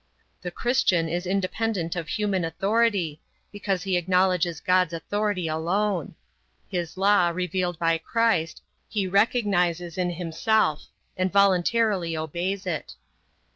The Christian is independent of human authority, because he acknowledges God's authority alone. His law, revealed by Christ, he recognizes in himself, and voluntarily obeys it.